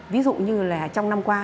ví dụ như trong năm qua